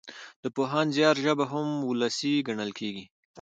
د پوهاند زيار ژبه هم وولسي ګڼل کېږي.